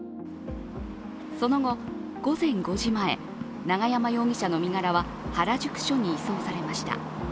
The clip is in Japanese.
その後、午前５時前永山容疑者の身柄は原宿署に移送されました。